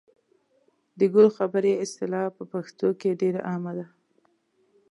د ګل خبرې اصطلاح په پښتو کې ډېره عامه ده.